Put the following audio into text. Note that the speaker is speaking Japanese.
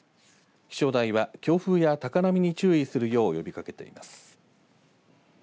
気象台は強風や高波に注意するよう呼びかけています。